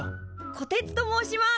こてつと申します。